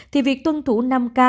thì việc tuân thủ năm ca